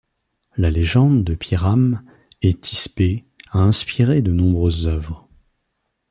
La légende de Pyrame et Thisbé a inspiré de nombreuses œuvres.